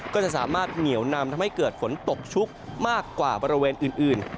ก็จะสามารถเหนียวนำทำให้เกิดฝนตกชุกมากกว่าบริเวณอื่น